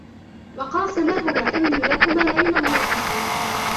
وَقَاسَمَهُمَا إِنِّي لَكُمَا لَمِنَ النَّاصِحِينَ